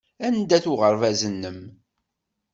Anda-t uɣerbaz-nnem?